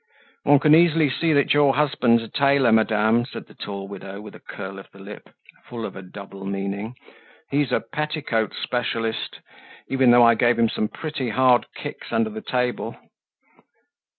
"One can easily see that your husband's a tailor, madame," said the tall widow, with a curl of the lip, full of a double meaning. "He's a petticoat specialist, even though I gave him some pretty hard kicks under the table."